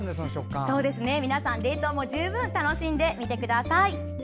皆さん、冷凍も十分に楽しんでみてください。